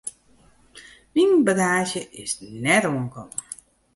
Myn bagaazje is net oankommen.